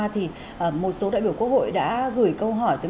thì một số đại biểu quốc hội đã gửi câu hỏi tới người tiêu dùng